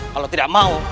kalau tidak mau